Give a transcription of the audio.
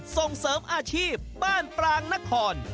ส่งเสริมอาชีพบ้านปรางนคร